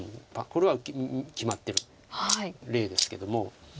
これは決まってる例ですけども。